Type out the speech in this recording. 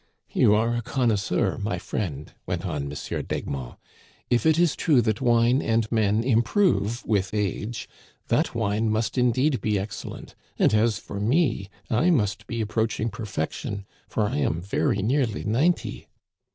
"You are a connoisseur, my friend," went on M. d'Egmont. " If it is true that wine and men im prove with age, that wine must indeed be excellent ; and as for me, I must be approaching perfection, for I am very nearly ninety."